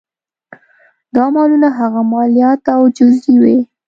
دا مالونه هغه مالیات او جزیې وې.